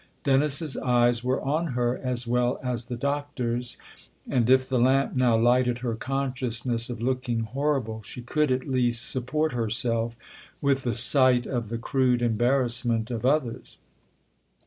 Dennis's eyes were on her as well as the Doctor's, and if the lamp now lighted her consciousness of looking horrible she could at least support herself with the sight of the crude embarrassment of others.